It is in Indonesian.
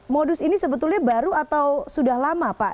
modus ini sebetulnya baru atau sudah lama pak